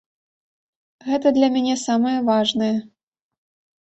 Гэта для мяне самае важнае.